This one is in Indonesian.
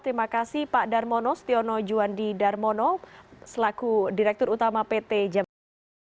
terima kasih pak darmono stiono juwandi darmono selaku direktur utama pt jabodetabek